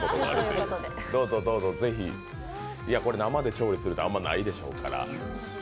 生で調理するってあまりないでしょうから。